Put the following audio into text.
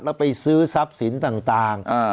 แล้วไปซื้อทรัพย์สินต่าง